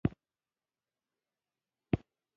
کچېرې ملالې دا کار